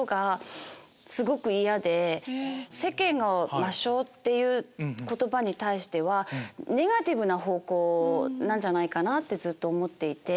世間の「魔性」っていう言葉に対してはネガティブな方向じゃないかってずっと思っていて。